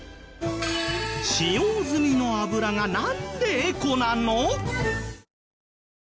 使用済みの油がなんでエコなの？